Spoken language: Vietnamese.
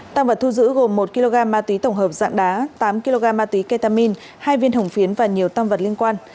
tăng vật thu giữ gồm một kg ma túy tổng hợp dạng đá tám kg ma túy ketamin hai viên hồng phiến và nhiều tam vật liên quan